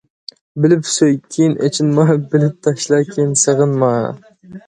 بىلىپ سۆي كىيىن ئېچىنما، بىلىپ تاشلا كىيىن سېغىنما.